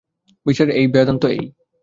বিচার এই, বেদান্ত এই।